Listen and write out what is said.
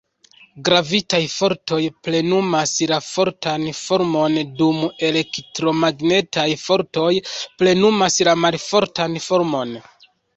Gravitaj fortoj plenumas la fortan formon dum elektromagnetaj fortoj plenumas la malfortan formon.